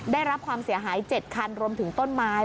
ได้รับความเสียหาย๗คันรวมถึงต้นไม้